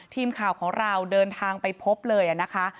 ทีมข่าวของเราเดินทางไปพบเลยนะคะ